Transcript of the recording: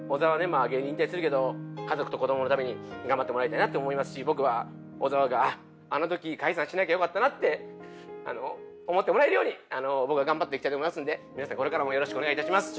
まあ芸人引退するけど家族と子どものために頑張ってもらいたいなって思いますし僕は小澤があの時解散しなきゃよかったなって思ってもらえるように僕は頑張っていきたいと思いますので皆さんこれからもよろしくお願いいたします。